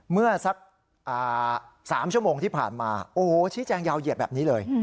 เมื่อสัก๓ชั่วโมงที่ผ่านมาโอ้โหชี้แจงยาวเหยียดแบบนี้เลย